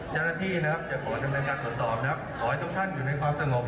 จาระที่จะขอทำต่างการตรวจสอบนะครับเดินทุกท่านอยู่ในความตะหงก